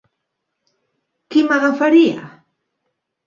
Qui m'agafaria?